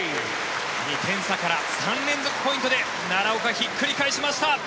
２点差から３連続ポイントで奈良岡、ひっくり返しました。